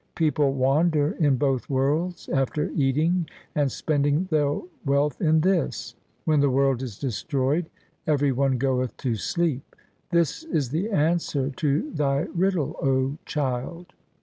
People wander in both worlds after eating and spending their wealth in this. When the world is destroyed every one goeth to sleep ; this is the answer to thy riddle, O child.